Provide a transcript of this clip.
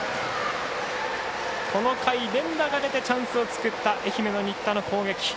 この回、連打が出てチャンスを作った愛媛の新田の攻撃。